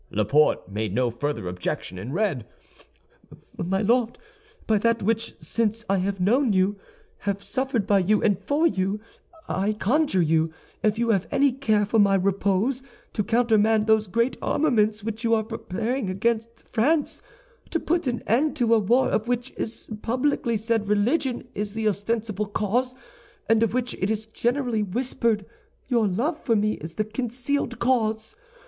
Laporte made no further objection, and read: "MY LORD, By that which, since I have known you, have suffered by you and for you, I conjure you, if you have any care for my repose, to countermand those great armaments which you are preparing against France, to put an end to a war of which it is publicly said religion is the ostensible cause, and of which, it is generally whispered, your love for me is the concealed cause.